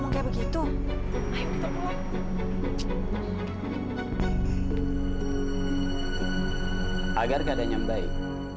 agar keadaan yang baik